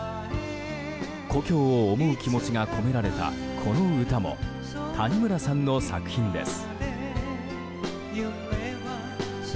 故郷を思う気持ちが込められたこの歌も谷村さんの作品です。